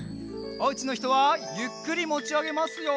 おうちのひとはゆっくりもちあげますよ。